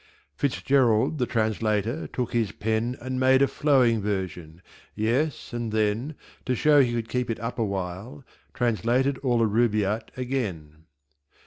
Fitzgerald, the Translator, took his Pen And made a flowing Version; yes, and then To show that he could keep it up a While, Translated all the Rubaiyat again.